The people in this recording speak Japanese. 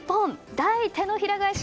大手のひら返し！